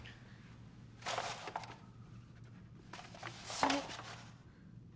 それ。